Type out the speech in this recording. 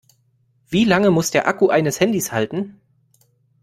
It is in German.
Wie lange muss der Akku eines Handys halten?